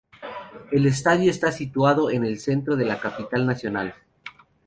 El estadio está situado en el centro de la capital nacional.